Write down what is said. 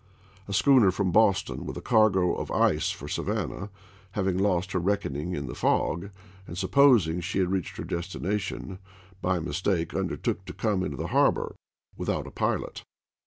A schooner from Boston, with a cargo of ice for Savannah, having lost her reckoning in the fog, and supposing she had reached her destination, by mistake undertook to come into the harbor, with out a pilot.